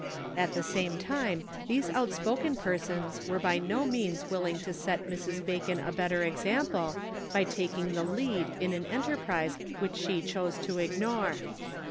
At the same time these outspoken persons were by no means willing to set Mrs. Bacon a better example by taking the lead in an enterprise which she chose to ignore.